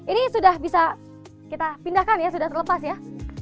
ini sudah bisa kita pindahkan ya sudah terlepas ya